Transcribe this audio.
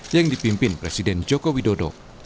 yang dipimpin presiden joko widodo